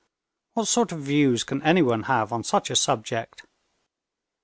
What sort of views can anyone have on such a subject?"